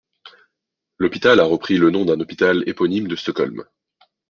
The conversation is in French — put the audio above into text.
L'hôpital a repris le nom d'un hôpital éponyme de Stockholm.